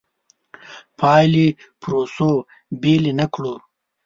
پایلې پروسو بېلې نه کړو.